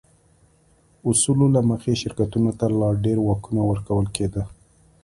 اصولو له مخې شرکتونو ته لا ډېر واکونه ورکول کېده.